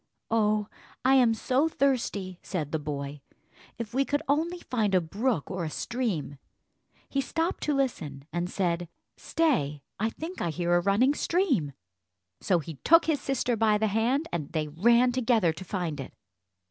"Oh, I am so thirsty!" said the boy. "If we could only find a brook or a stream." He stopped to listen, and said, "Stay, I think I hear a running stream." So he took his sister by the hand, and they ran together to find it.